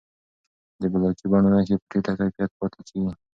د بلاکي بڼو نښې په ټیټه کیفیت پاتې کېږي.